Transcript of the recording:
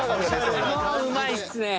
もううまいっすね！